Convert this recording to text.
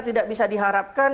tidak bisa diharapkan